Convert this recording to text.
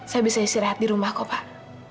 saya bisa isi rahat di rumah kok pak